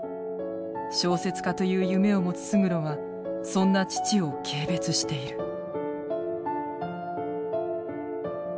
小説家という夢を持つ勝呂はそんな父を軽蔑している。